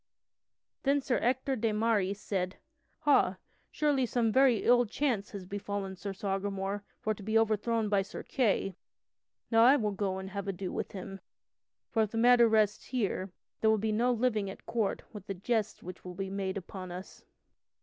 Then Sir Ector de Maris said: "Ha, surely some very ill chance has befallen Sir Sagramore for to be overthrown by Sir Kay. Now I will go and have ado with him, for if the matter rests here there will be no living at court with the jests which will be made upon us."